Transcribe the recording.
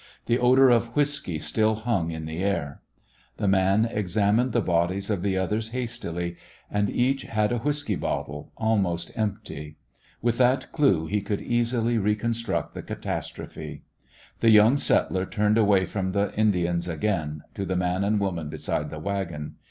The odor of whisky still hung in the air. The man examined the bodies of the others hastily, and each had a whisky bottle almost empty. With that clue he could easily reconstruct the catastrophe. The young settler turned away from the Indians again to the man and woman beside the wagon.